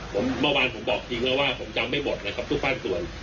ผมเมื่อวานผมบอกจริงแล้วว่าผมจำไม่หมดนะครับทุกภาคส่วน